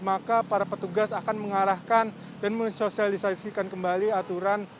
maka para petugas akan mengarahkan dan mensosialisasikan kembali aturan